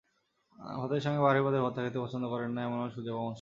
ভাতের সঙ্গে বাহারি পদের ভর্তা খেতে পছন্দ করেন না এমন মানুষ খুঁজে পাওয়া মুশকিল।